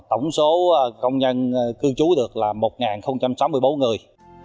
tổng số công nhân cư trú được là một sáu mươi bốn người